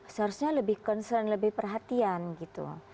seharusnya lebih concern lebih perhatian gitu